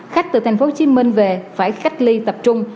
khách từ tp hcm về phải cách ly tập trung